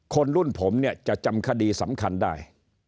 คนรุ่นผมเนี่ยจะจำคดีสำคัญได้